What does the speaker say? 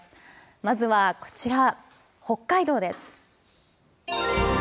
まずはこちら、北海道です。